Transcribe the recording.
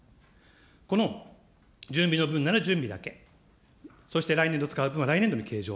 この準備の分なら準備だけ、そして来年度使う分は、来年度計上。